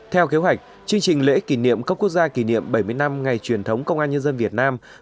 theo kế hoạch chương trình lễ kỷ niệm cấp quốc gia kỷ niệm bảy mươi năm ngày truyền thống công an nhân dân việt nam